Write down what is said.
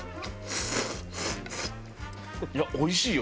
いやおいしいよでも。